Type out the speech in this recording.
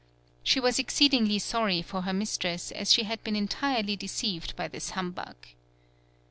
She was exceedingly sorry for her mis tress, as she had been entirely deceived by this humbug.